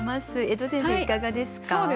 江戸先生いかがですか？